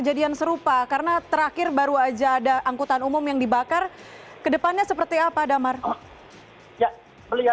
jadi ini mulai hampir terjadi rutin setiap hari